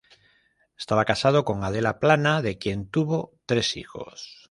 Estaba casado con Adela Plana, de quien tuvo tres hijos.